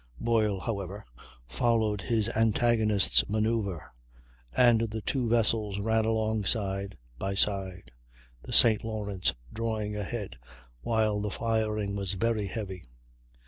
Boyle, however, followed his antagonist's manoeuvre, and the two vessels ran along side by side, the St. Lawrence drawing ahead, while the firing was very heavy.